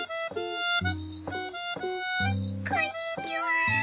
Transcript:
こんにちは！